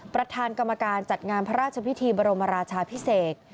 ประธานกรรมการจัดงานพระราชพิธีบรมราชาพิเศษ